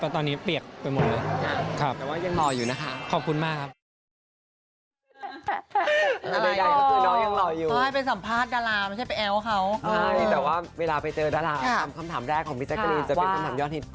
แต่ตอนนี้เปียกไปหมดเลย